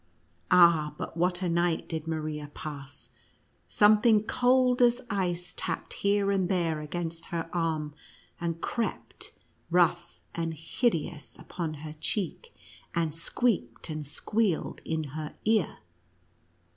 Ah, but what a night did Maria pass ! Some thing cold as ice tapped here and there against her arm; and crept, rough and hideous, upon her cheek, and squeaked and squealed in her ear.